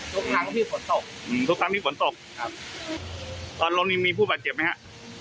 ทุกครั้งที่ฝนตกอืมทุกครั้งที่ฝนตกครับตอนลมนี้มีผู้บาดเจ็บไหมฮะ